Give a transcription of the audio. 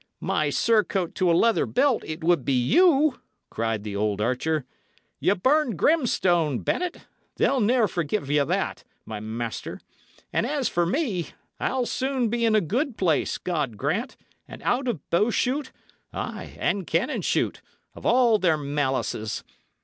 "My surcoat to a leather belt, it would be you!" cried the old archer. "Ye burned Grimstone, Bennet they'll ne'er forgive you that, my master. And as for me, I'll soon be in a good place, God grant, and out of bow shoot ay, and cannon shoot of all their malices.